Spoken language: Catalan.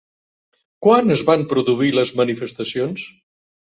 Quan es van produir les manifestacions?